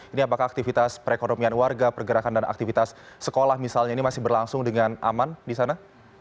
ini apakah aktivitas perekonomian warga pergerakan dan aktivitas sekolah misalnya ini masih berlangsung dengan aman di sana